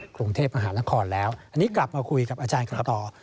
กรุงเทพมหานครแล้วอันนี้กลับมาคุยกับอาจารย์กันต่อ